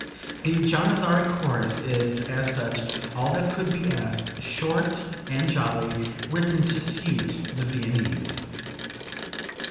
The Janizary chorus is, as such, all that could be asked, short and jolly, written to suit the Viennese."